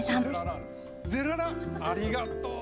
ありがとう。